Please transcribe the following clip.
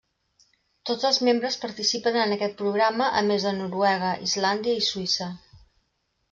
Tots els membres participen en aquest programa a més de Noruega, Islàndia i Suïssa.